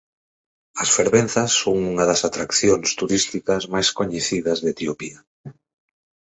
As fervenzas son unha das atraccións turísticas máis coñecidas de Etiopía.